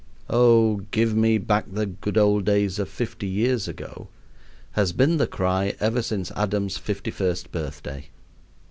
"Oh, give me back the good old days of fifty years ago," has been the cry ever since Adam's fifty first birthday.